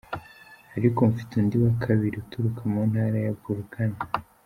Ariko mfite undi wa kabiri uturuka mu Ntara ya Bulacan.